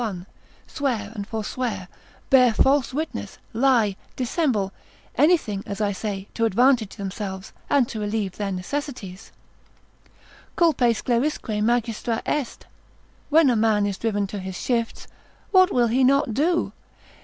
1, swear and forswear, bear false witness, lie, dissemble, anything, as I say, to advantage themselves, and to relieve their necessities: Culpae scelerisque magistra est, when a man is driven to his shifts, what will he not do?